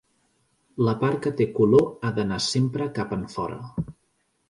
La part que té color ha d’anar sempre cap enfora.